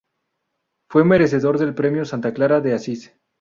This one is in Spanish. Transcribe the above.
Fue merecedor del premio Santa Clara de Asís.